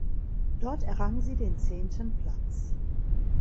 Dort errang sie den zehnten Platz.